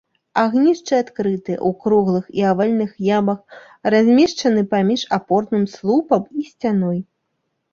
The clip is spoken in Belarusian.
Агнішчы адкрытыя, у круглых і авальных ямах, размешчаны паміж апорным слупам і сцяной.